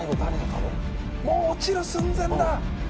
もう落ちる寸前だ。